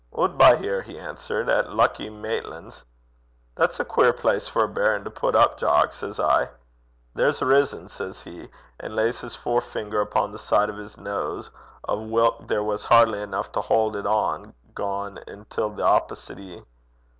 "Oot by here," he answert, "at Luckie Maitlan's." "That's a queer place for a baron to put up, Jock," says I. "There's rizzons," says he, an' lays his forefinger upo' the side o' 's nose, o' whilk there was hardly eneuch to haud it ohn gane intil the opposit ee.